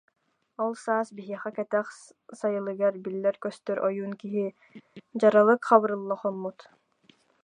Ол саас биһиэхэ Кэтэх Сайылыгар биллэр-көстөр ойуун киһи Дьаралык Хабырылла хоммут